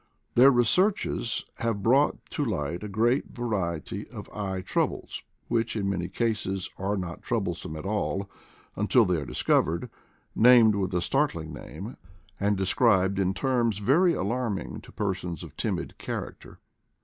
Their researches have brought to light a great variety of eye troubles, which, in many cases, are not troublesome at all, until they are discovered, named with a startling name, and described in terms very alarming to persons of timid character.